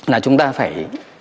là chúng ta phải